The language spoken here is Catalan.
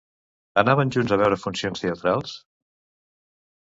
Anaven junts a veure funcions teatrals?